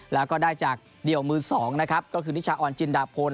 แล้วก็ได้จากเดี่ยวมือ๒ก็คือนิชอออนจินดาพนก์